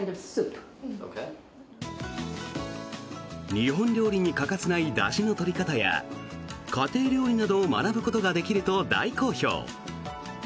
日本料理に欠かせないだしの取り方や家庭料理などを学ぶことができると大好評。